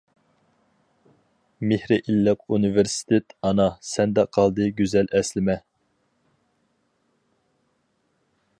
مېھرى ئىللىق ئۇنىۋېرسىتېت ئانا، سەندە قالدى گۈزەل ئەسلىمە.